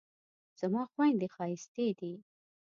زما خویندې ښایستې دي